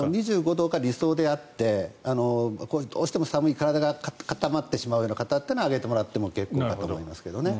２５度が理想であってどうしても寒い体が固まってしまうような方というのは上げてもらっても結構だと思いますけどね。